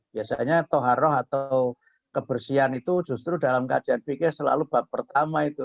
biasanya toharoh atau kebersihan itu justru dalam kajian fikir selalu bab pertama itu